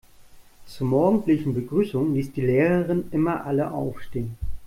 Zur morgendlichen Begrüßung ließ die Lehrerin immer alle aufstehen.